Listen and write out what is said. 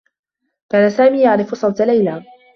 كان سامي يعرف صوت ليلى.